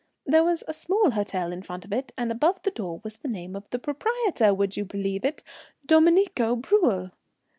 "There was a small hotel in front of it, and above the door was the name of the proprietor, would you believe it, Domenico Bruel!